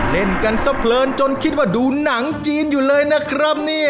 เล่นกันสะเพลินจนคิดว่าดูหนังจีนอยู่เลยนะครับเนี่ย